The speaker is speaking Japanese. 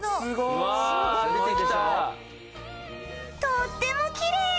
とってもきれい！